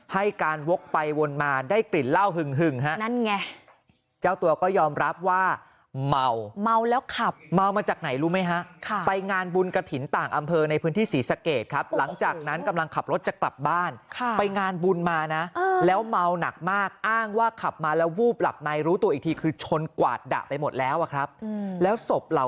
ให้การวกไปวนมาได้กลิ่นเหล้าหึงฮะนั่นไงเจ้าตัวก็ยอมรับว่าเมาเมาแล้วขับเมามาจากไหนรู้ไหมฮะไปงานบุญกระถิ่นต่างอำเภอในพื้นที่ศรีสะเกดครับหลังจากนั้นกำลังขับรถจะกลับบ้านไปงานบุญมานะแล้วเมาหนักมากอ้างว่าขับมาแล้ววูบหลับในรู้ตัวอีกทีคือชนกวาดดะไปหมดแล้วอะครับแล้วศพเห